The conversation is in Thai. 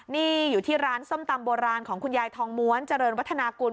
นี่อยู่ที่ร้านส้มตำโบราณของคุณยายทองม้วนเจริญวัฒนากุล